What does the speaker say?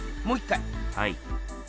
はい。